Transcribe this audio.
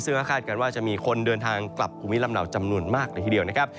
ซึ่งก็คาดการณ์ว่าจะมีคนเดินทางกลับภูมิลำเนาจำนวนมากเลยทีเดียวนะครับ